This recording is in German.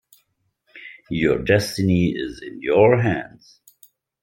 Your destiny is in your hands.